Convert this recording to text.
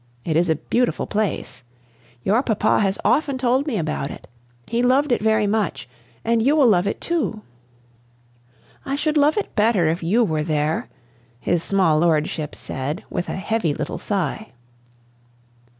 It is a beautiful place. Your papa has often told me about it. He loved it very much; and you will love it too." "I should love it better if you were there," his small lordship said, with a heavy little sigh.